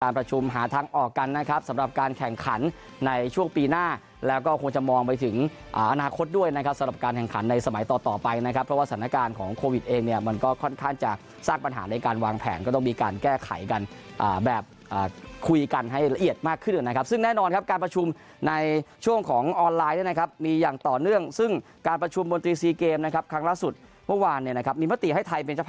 การประชุมหาทางออกกันนะครับสำหรับการแข่งขันในช่วงปีหน้าแล้วก็คงจะมองไปถึงอนาคตด้วยนะครับสำหรับการแข่งขันในสมัยต่อไปนะครับเพราะว่าสถานการณ์ของโควิดเองเนี่ยมันก็ค่อนข้างจะสร้างปัญหาในการวางแผนก็ต้องมีการแก้ไขกันแบบคุยกันให้ละเอียดมากขึ้นนะครับซึ่งแน่นอนครับการประชุมในช